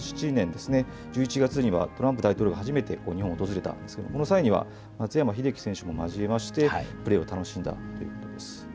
２０１７年１１月にはトランプ大統領、初めて日本を訪れたんですけれどもその際には松山英樹選手も交えましてプレーを楽しんだということです。